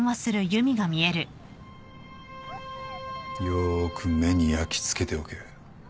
よーく目に焼きつけておけ。